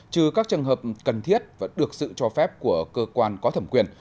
trừ các trường hợp cần thiết vẫn được sự cho phép của cơ quan có thẩm quyền